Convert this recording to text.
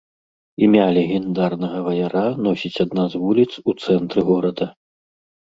Імя легендарнага ваяра носіць адна з вуліц у цэнтры горада.